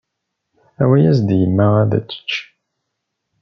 Awi-yas-d i yemma ad tečč.